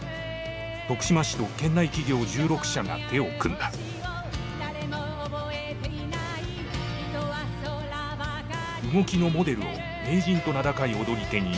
徳島市と県内企業１６社が手を組んだ動きのモデルを名人と名高い踊り手に依頼。